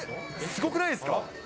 すごくないですか？